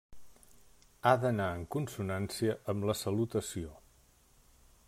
Ha d’anar en consonància amb la salutació.